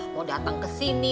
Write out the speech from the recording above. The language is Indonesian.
mau dateng kesini